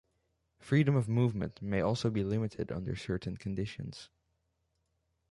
Freedom of movement may also be limited under certain conditions.